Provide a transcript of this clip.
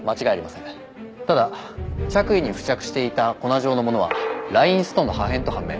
ただ着衣に付着していた粉状のものはラインストーンの破片と判明。